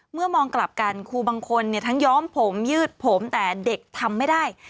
มองกลับกันครูบางคนทั้งย้อมผมยืดผมแต่เด็กทำไม่ได้